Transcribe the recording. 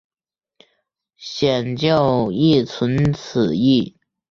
显教亦存此义。